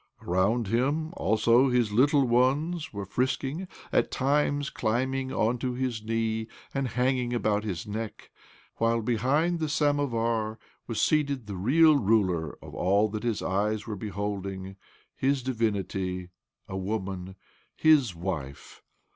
^ Around him, also, his little ones were frisking— at times climbing on to his knee and hanging about his neck ; while behind the samovar з was seated the real ruler of all tjiat his eyes were beholding his divinity, a woman, his wife